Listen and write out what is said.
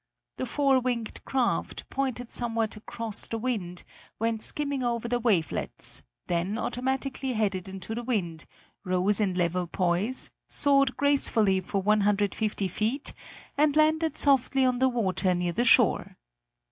The four winged craft, pointed somewhat across the wind, went skimming over the wavelets, then automatically headed into the wind, rose in level poise, soared gracefully for 150 feet, and landed softly on the water near the shore.